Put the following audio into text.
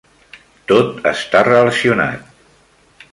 Tot està relacionat.